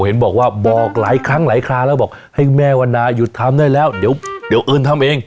เห็นบอกว่าบอกหลายครั้งหลายคราแล้วบอกให้แม่วันนาหยุดทำได้แล้วเดี๋ยวเอิญทำเอง